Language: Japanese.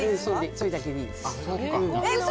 それだけでいいですえっ嘘